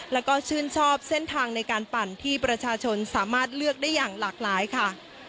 แล้วก็ชื่นชอบเส้นทางในการปั่นที่ประชาชนสามารถเลือกได้อย่างหลากหลายค่ะ